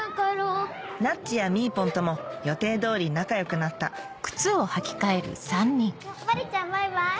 なっちやみーぽんとも予定通り仲良くなった真里ちゃんバイバイ。